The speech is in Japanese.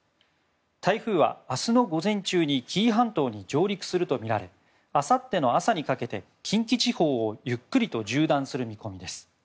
台風は明日の午前中に紀伊半島に上陸するとみられあさっての朝にかけて近畿地方をゆっくりと縦断する見込みです。